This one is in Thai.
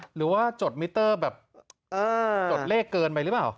หรือว่าจดมิเตอร์แบบจดเลขเกินไปหรือเปล่า